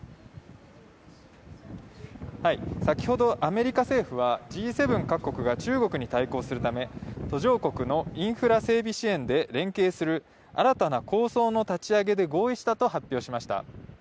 先ほどアメリカ政府はＧ７各国が中国に対抗するため途上国のインフラ整備支援で連携する新たな構想の立ち上げで合意したと発表しました。